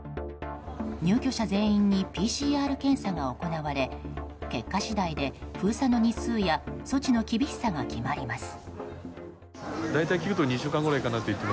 入居者全員にＰＣＲ検査が行われ結果次第で封鎖の日数や措置の厳しさが決まります。